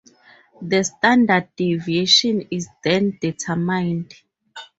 The standard deviation is then determined.